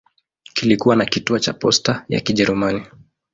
Kulikuwa na kituo cha posta ya Kijerumani.